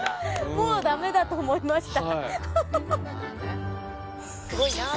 もうダメだと思いました